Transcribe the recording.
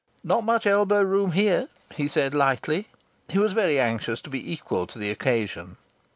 "Not much elbow room here!" he said lightly. He was very anxious to be equal to the occasion.